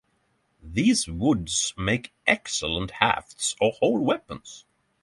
These woods make excellent hafts or whole weapons.